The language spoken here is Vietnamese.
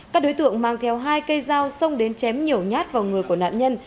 các đối tượng mang theo hai cây dao xông đến chém nhiều nhát vào người của nạn nhân